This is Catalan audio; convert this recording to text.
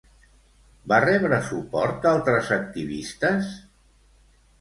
Va rebre suport d'altres activistes?